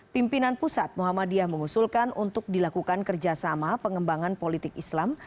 pimpinan pusat muhammadiyah mengusulkan untuk dilakukan kerjasama pengembangan politik islam